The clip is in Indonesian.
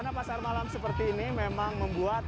wahana pasar malam seperti ini memang memungkinkan